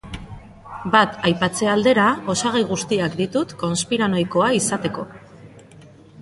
Bat aipatze aldera, osagai guztiak ditut konspiranoikoa izateko.